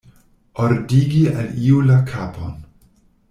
Ordigi al iu la kapon.